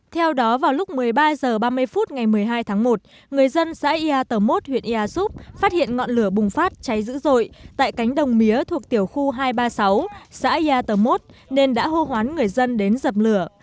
theo đó vào lúc một mươi ba h ba mươi phút ngày một mươi hai tháng một người dân xã yà tờ mốt huyện ea súp phát hiện ngọn lửa bùng phát cháy dữ dội tại cánh đồng mía thuộc tiểu khu hai trăm ba mươi sáu xã yatomot nên đã hô hoán người dân đến dập lửa